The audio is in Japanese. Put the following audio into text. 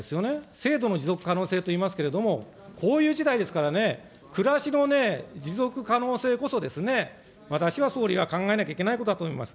制度の持続可能性といいますけれども、こういう時代ですからね、暮らしの持続可能性こそ、私は総理は考えなきゃいけないことだと思います。